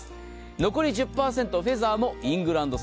残り１０％、フェザーもイングランド産。